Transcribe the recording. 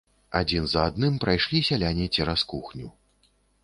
Адзін за адным прайшлі сяляне цераз кухню.